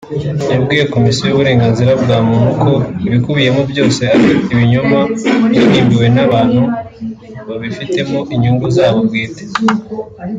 yabwiye Komisiyo y’Uburenganzira bwa muntu ko ibikubiyemo byose ari ibinyoma byahimbwe n’abantu babifitemo inyungu zabo bwite